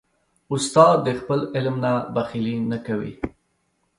استاد د خپل علم نه بخیلي نه کوي.